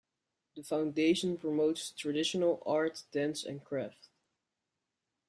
The foundation promotes traditional art, dance and craft.